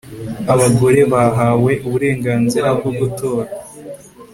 Abagore bahawe uburenganzira bwo gutora